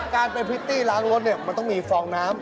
การเป็นพิสติล้างรถต้องมีฟองน้ำ